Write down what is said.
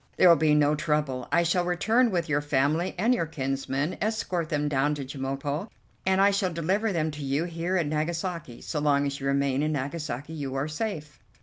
There will be no trouble. I shall return with your family and your kinsmen, escort them down to Chemulpo, and I shall deliver them to you here in Nagasaki. So long as you remain in Nagasaki you are safe."